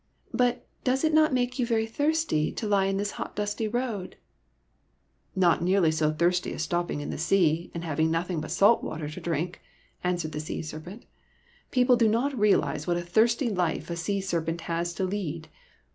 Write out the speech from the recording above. But does it not make you very thirsty to lie in this hot dusty road ?"" Not nearly so thirsty as stopping in the sea and having nothing but salt water to drink," answered the sea serpent. " People do not realise what a thirsty life a sea serpent has to lead.